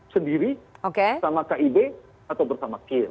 sendiri bersama kib atau bersama kir